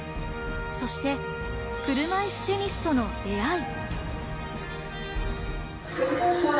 そして車いすテニスとの出合い。